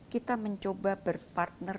kita mencoba berpartner